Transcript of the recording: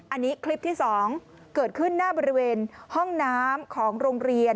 อันนี้คลิปที่๒เกิดขึ้นหน้าบริเวณห้องน้ำของโรงเรียน